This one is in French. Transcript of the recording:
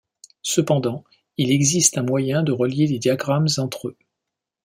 Cependant il existe un moyen de relier les diagrammes entre eux.